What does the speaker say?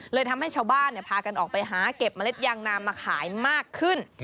ทำให้ชาวบ้านพากันออกไปหาเก็บเมล็ดยางนามาขายมากขึ้น